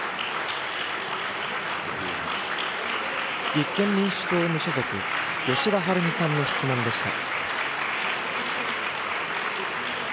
立憲民主党・無所属、吉田はるみさんの質問でした。